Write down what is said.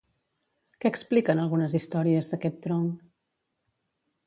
Què expliquen algunes històries d'aquest tronc?